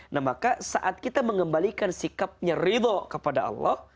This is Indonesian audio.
nah maka saat kita mengembalikan sikapnya ridho kepada allah